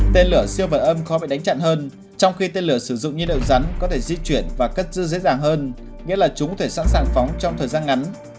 tên lửa siêu vật âm khó bị đánh chặn hơn trong khi tên lửa sử dụng nhiên liệu rắn có thể di chuyển và cất dư dễ dàng hơn nghĩa là chúng có thể sẵn sàng phóng trong thời gian ngắn